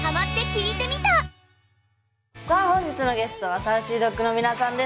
さあ本日のゲストはＳａｕｃｙＤｏｇの皆さんです。